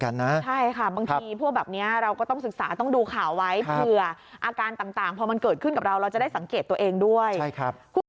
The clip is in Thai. กับตัวเองด้วยใช่ครับ